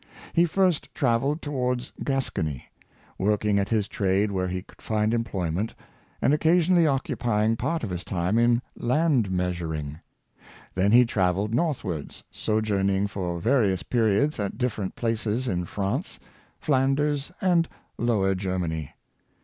He first trav Search for the Enamel, 193 eled towards Gascony, working at his trade where he could find employment, and occasionally occupying part of his time in land measuring. Then he traveled north wards, sojourning for various periods at different places in France, Flanders, and Lower Germany.